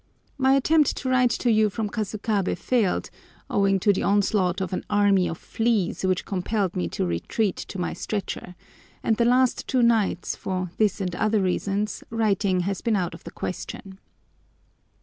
My attempt to write to you from Kasukabé failed, owing to the onslaught of an army of fleas, which compelled me to retreat to my stretcher, and the last two nights, for this and other reasons, writing has been out of the question.